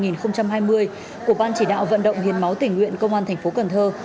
năm hai nghìn hai mươi của ban chỉ đạo vận động hiền máu tỉnh nguyện công an thành phố cần thơ